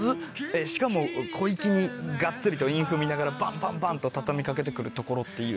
しかも小粋にガッツリと韻踏みながらバンバンバンと畳み掛けて来るところっていう。